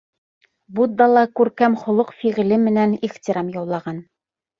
Будда ла күркәм холоҡ-фиғеле менән ихтирам яулаған.